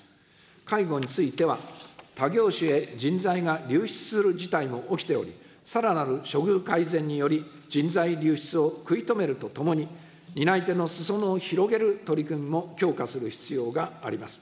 介護については、他業種へ人材が流出する事態も起きており、さらなる処遇改善により、人材流出を食い止めるとともに、担い手のすそ野を広げる取り組みも強化する必要があります。